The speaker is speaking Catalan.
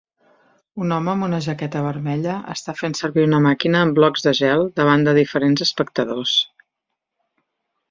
Un home amb una jaqueta vermella està fent servir una màquina en blocs de gel davant de diferents espectadors